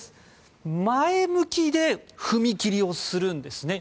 前向きで踏み切りをするんです。